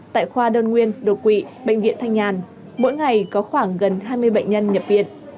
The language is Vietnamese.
tại khoa đơn nguyên đột quỵ bệnh viện thanh nhàn mỗi ngày có khoảng gần hai mươi bệnh nhân nhập viện